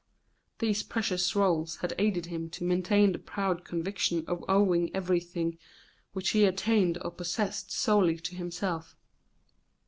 These precious rolls had aided him to maintain the proud conviction of owing everything which he attained or possessed solely to himself.